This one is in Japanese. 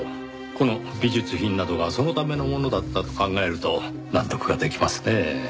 この美術品などがそのためのものだったと考えると納得ができますねぇ。